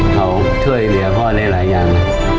เขาช่วยเหลือพ่อได้หลายอย่าง